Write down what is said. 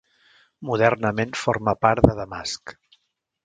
Modernament forma part de Damasc.